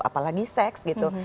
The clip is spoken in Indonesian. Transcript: apalagi seks gitu